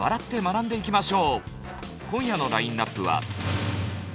今夜のラインナップは。